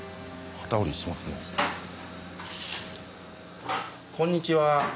はいこんにちは。